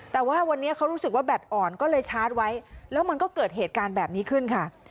แต่ว่าวันนี้เขารู้สึกว่าแบตอ่อนก็เลยชาร์จไว้แล้วมันก็เกิดเหตุการณ์แบบนี้ขึ้นค่ะ